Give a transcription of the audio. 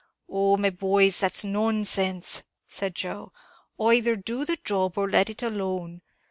"Oh, my boys, that's nonsense," said Joe; "either do the job, or let it alone.